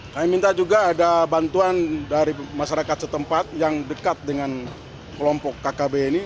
kami minta juga ada bantuan dari masyarakat setempat yang dekat dengan kelompok kkb ini